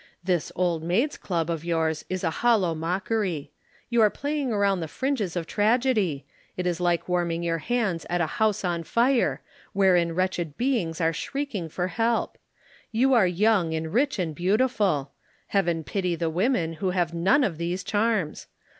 This Old Maids' Club of yours is a hollow mockery. You are playing round the fringes of tragedy it is like warming your hands at a house on fire, wherein wretched beings are shrieking for help. You are young and rich and beautiful Heaven pity the women who have none of these charms.